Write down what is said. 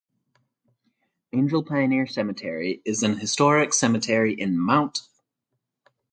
Angel Pioneer Cemetery is an historic cemetery in Mt.